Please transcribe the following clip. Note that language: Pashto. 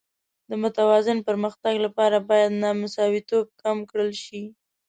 د متوازن پرمختګ لپاره باید نامساواتوب کم کړل شي.